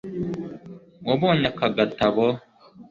Wabonye aka gatabo